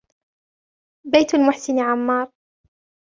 بيت المحسن عمار.